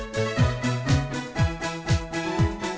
saya bangun disini dulu ya